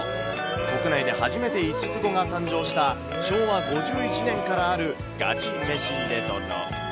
国内で初めて５つ子が誕生した、昭和５１年からあるガチ飯レトロ。